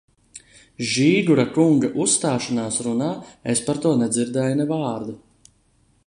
Žīgura kunga uzstāšanās runā es par to nedzirdēju ne vārda.